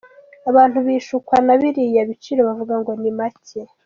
Abantu bishukwa na biriya biciro bavuga ngo ni make.